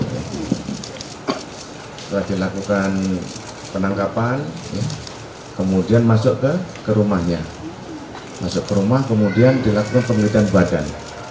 setelah dilakukan penangkapan kemudian masuk ke rumahnya masuk ke rumah kemudian dilakukan penelitian badan